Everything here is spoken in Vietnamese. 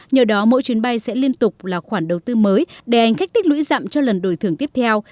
nhờ đó mỗi chuyến bay sẽ liên tục là khoản đầu tư mới để hành khách tích lũy dặm cho lần đổi thưởng tiếp theo